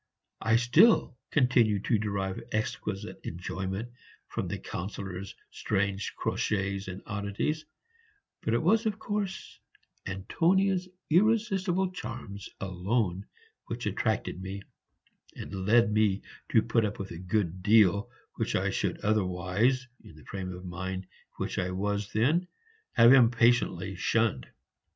I still continued to derive exquisite enjoyment from the Councillor's strange crotchets and oddities; but it was of course Antonia's irresistible charms alone which attracted me, and led me to put up with a good deal which I should otherwise, in the frame of mind in which I then was, have impatiently shunned.